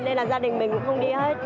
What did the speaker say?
nên là gia đình mình cũng không đi hết